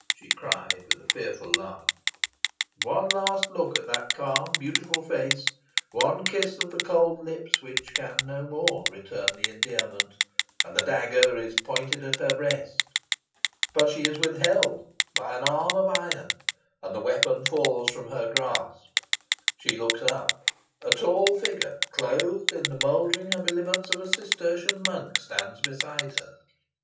she cried, with a fearful laugh. One last look at that calm beautiful face one kiss of the cold lips, which can no more return the endearment and the dagger is pointed at her breast. But she is withheld by an arm of iron, and the weapon falls from her grasp. She looks up. A tall figure, clothed in the mouldering habiliments of a Cistertian monk, stands beside her.